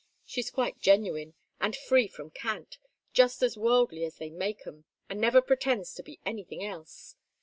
She's quite genuine, and free from cant; just as worldly as they make 'em, and never pretends to be anything else.